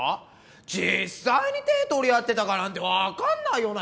実際に手取り合ってたかなんて分かんないよね！